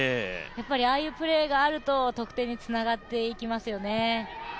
ああいうプレーがあると得点につながっていきますよね。